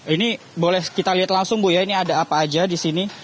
ini boleh kita lihat langsung bu ya ini ada apa aja di sini